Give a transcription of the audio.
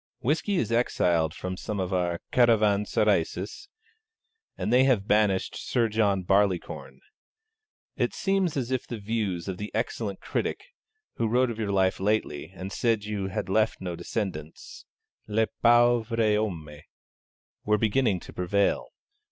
Whisky is exiled from some of our caravanserais, and they have banished Sir John Barleycorn. It seems as if the views of the excellent critic (who wrote your life lately, and said you had left no descendants, le pauvre homme) were beginning to prevail.